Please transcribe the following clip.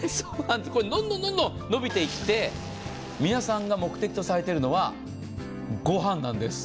どんどんどんどん伸びていって、皆さんが目的とされているのは御飯なんです。